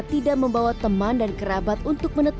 tidak membawa teman dan kerabat untuk menetap